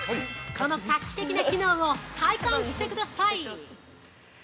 その画期的な機能を体感してください。